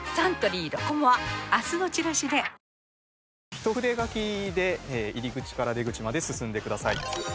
一筆書きで入り口から出口まで進んでください。